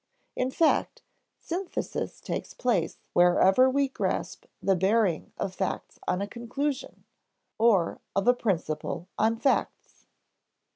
In fact, synthesis takes place wherever we grasp the bearing of facts on a conclusion, or of a principle on facts.